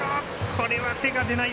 これは手が出ない。